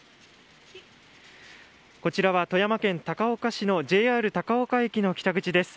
こちらは富山県高岡市のＪＲ高岡駅の北口です。